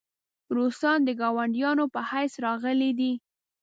روسان د ګاونډیانو په حیث راغلي دي.